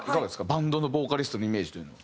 バンドのボーカリストのイメージというのは。